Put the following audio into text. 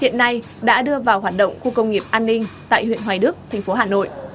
hiện nay đã đưa vào hoạt động khu công nghiệp an ninh tại huyện hoài đức thành phố hà nội